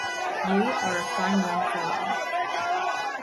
You are a fine young fellow.